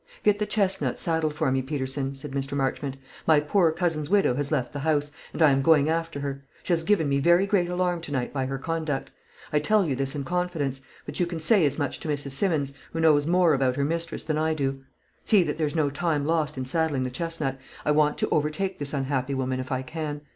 "Get the chesnut saddled for me, Peterson," said Mr. Marchmont. "My poor cousin's widow has left the house, and I am going after her. She has given me very great alarm to night by her conduct. I tell you this in confidence; but you can say as much to Mrs. Simmons, who knows more about her mistress than I do. See that there's no time lost in saddling the chesnut. I want to overtake this unhappy woman, if I can.